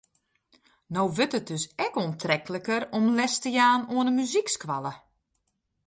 No wurdt it dus ek oantrekliker om les te jaan oan in muzykskoalle.